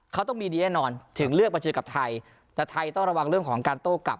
เขาต้องมีดีแน่นอนถึงเลือกมาเจอกับไทยแต่ไทยต้องระวังเรื่องของการโต้กลับ